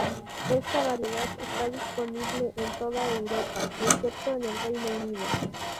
Esta variedad está disponible en toda Europa, excepto en el Reino Unido.